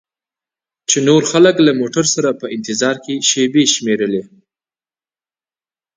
چې نور خلک له موټر سره په انتظار کې شیبې شمیرلې.